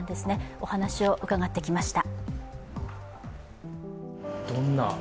お話を伺ってきました。